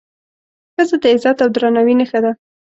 ښځه د عزت او درناوي نښه ده.